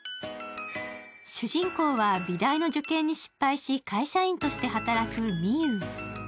主人公は美大の受験に失敗し、会社員として働く美優。